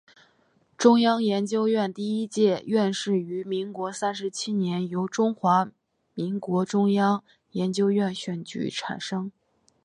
中央研究院第一届院士于民国三十七年由中华民国中央研究院选举产生。